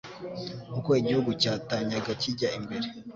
uko igihugu cyatanyaga kijya mbere